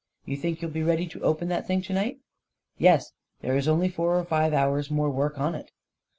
You think you'll be ready to open that thing to night ?"" Yes — there is only four or five hours' more work on it."